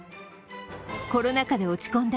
コロナ禍で落ち込んだ